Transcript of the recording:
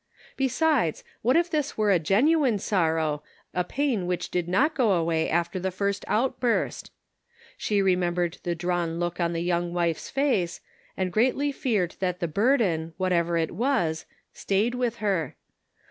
Besides, what if this were a genuine sorrow, a pain which did not go away after the first outburst? She remembered the drawn look on the young wife's face, and greatly feared that the burden, whatever it was, stayed with her.